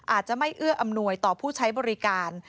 อาจจะไม่เอื้ออำนวยต่อผู้ใช้บริการ